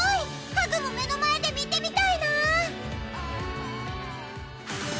ハグも目の前で見てみたいな。